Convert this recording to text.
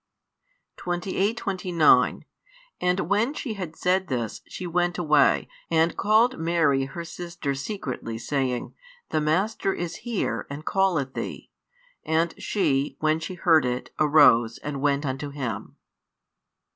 28, 29 And when she had said this, she went away, and called Mary her sister secretly, saying, The Master is here, and calleth thee. And she, when she heard it, arose, and went unto Him.